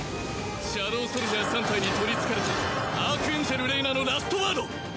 シャドウソルジャー３体に取りつかれたアークエンジェル・レイナのラストワード！